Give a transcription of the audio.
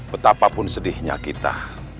betapapun sedihnya kita